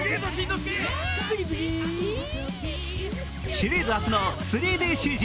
シリーズ初の３ＤＣＧ。